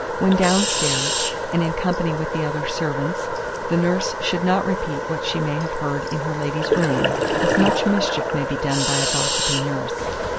When down stairs, and in company with the other servants, the nurse should not repeat what she may have heard in her lady's room, as much mischief may be done by a gossiping nurse.